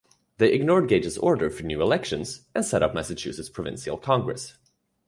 They ignored Gage's order for new elections and set up the Massachusetts Provincial Congress.